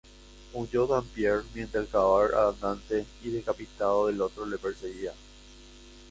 Huyó Dampier mientras el cadáver andante y decapitado del otro le perseguía.